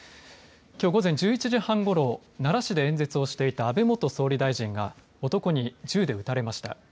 きょう午前１１時半ごろ、奈良市で演説をしていた安倍元総理大臣が男に銃で撃たれました。